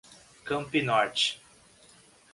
Campinorte